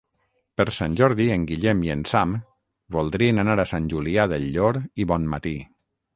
Per Sant Jordi en Guillem i en Sam voldrien anar a Sant Julià del Llor i Bonmatí.